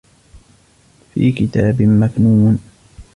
فِي كِتَابٍ مَّكْنُونٍ